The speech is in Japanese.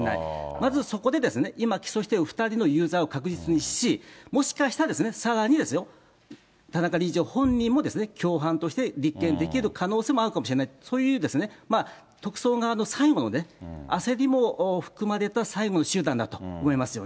まずそこで、今、起訴している２人の有罪を確実にし、もしかしたら、さらに田中理事長本人も、共犯として立件できる可能性もあるかもしれない、そういう特捜側の最後の焦りも含まれた最後の手段だと思いますよ